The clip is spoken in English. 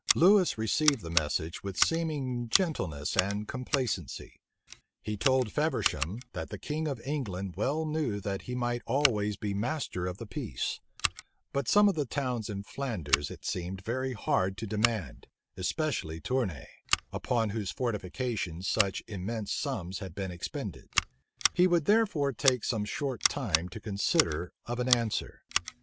Lewis received the message with seeming gentleness and complacency. He told Feversham, that the king of England well knew that he might always be master of the peace; but some of the towns in Flanders it seemed very hard to demand, especially Tournay, upon whose fortifications such immense sums had been expended: he would therefore take some short time to consider of an answer.